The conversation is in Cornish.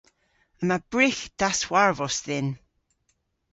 Yma brygh dashwarvos dhyn.